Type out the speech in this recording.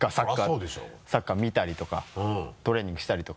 サッカー見たりとかトレーニングしたりとか。